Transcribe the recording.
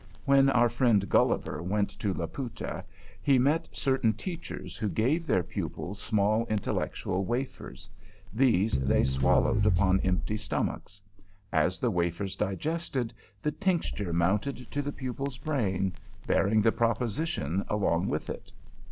When our friend Gulliver went to Laputa, he met certain Teachers who gave their pupils small intellectual wafers. These they swallowed upon empty stomachs. As the wafers digested, the tincture mounted to the pupil's brain, bearing the proposition along with it.